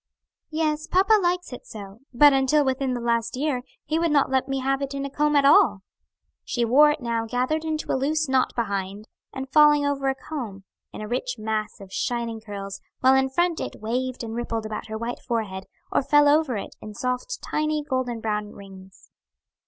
"Yes, papa likes it so, but until within the last year, he would not let me have it in a comb at all." She wore it now gathered into a loose knot behind, and falling over a comb, in a rich mass of shining curls, while in front it waved and rippled above her white forehead, or fell over it, in soft, tiny, golden brown rings.